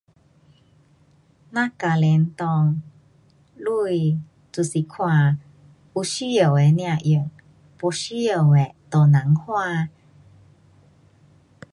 咱家庭内，钱就是看有需要的才用，不需要的都别花。